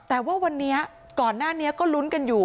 แต่ว่าวันนี้ก่อนหน้านี้ก็ลุ้นกันอยู่